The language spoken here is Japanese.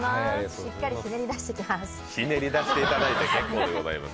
しっかりひねり出してきます。